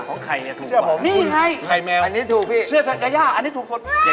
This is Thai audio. ของใครเนี่ยถูกกว่ะ